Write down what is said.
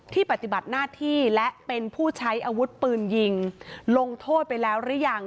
ปฏิบัติหน้าที่และเป็นผู้ใช้อาวุธปืนยิงลงโทษไปแล้วหรือยัง